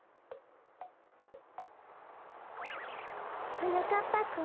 はなかっぱくん。